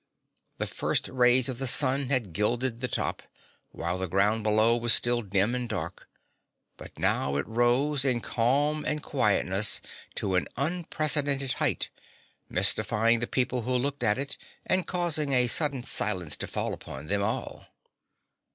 The first rays of the sun had gilded the top, while the ground below was still dim and dark, but now it rose in calm and quietness to an unprecedented height, mystifying the people who looked at it and causing a sudden silence to fall upon them all.